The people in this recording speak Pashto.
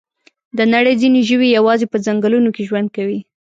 د نړۍ ځینې ژوي یوازې په ځنګلونو کې ژوند کوي.